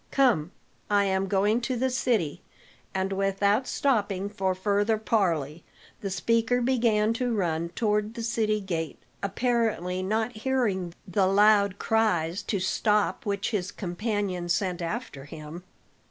Come, I am going to the city." And without stopping for further parley, the speaker began to run toward the city gate, apparently not hearing the loud cries to stop which his companion sent after him.